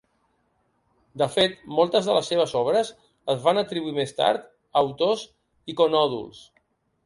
De fet, moltes de les seves obres es van atribuir més tard a autors iconòduls.